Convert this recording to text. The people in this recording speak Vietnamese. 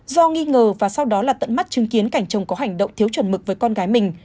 do nghi ngờ và sau đó là tận mắt chứng kiến cảnh chồng có hành động thiếu chuẩn mực với con gái mình